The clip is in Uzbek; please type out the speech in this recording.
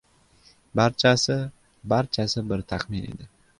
Barchasi, barchasi bir taxmin edi.